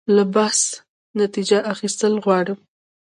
له بحث نتیجه اخیستل غواړم.